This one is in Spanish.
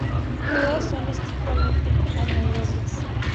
Todas son estrictamente anaerobias.